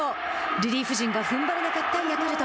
リリーフ陣がふんばれなかったヤクルト。